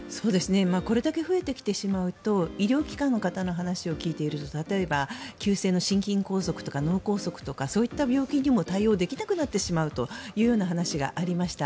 これだけ増えてきてしまうと医療機関の方の話を聞いていると例えば急性の心筋梗塞とか脳梗塞とかそういった病気にも対応できなくなってしまうという話がありました。